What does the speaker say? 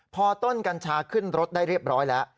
พอต้นกัญชาขึ้นรถได้เรียบร้อยแล้ว